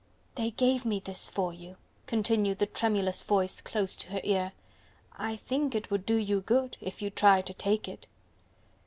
"They gave me this for you!" continued the tremulous voice close to her ear. "I think it would do you good, if you tried to take it."